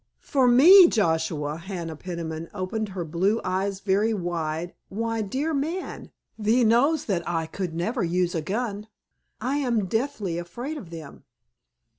"For me, Joshua?" Hannah Peniman opened her blue eyes very wide. "Why, dear man, thee knows that I could never use a gun. I am deathly afraid of them."